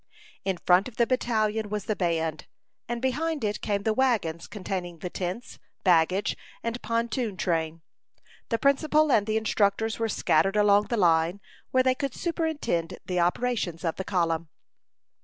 In front of the battalion was the band, and behind it came the wagons containing the tents, baggage, and pontoon train. The principal and the instructors were scattered along the line, where they could superintend the operations of the column.